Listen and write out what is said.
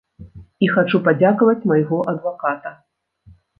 І хачу падзякаваць майго адваката.